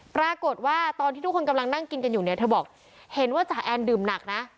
ตอนที่ทุกคนกำลังนั่งกินกันอยู่เนี่ยเธอบอกเห็นว่าจ่าแอนดื่มหนักนะ